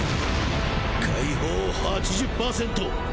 解放 ８０％